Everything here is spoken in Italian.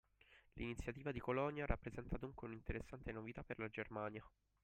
L'iniziativa di Colonia rappresenta dunque un'interessante novità per la Germania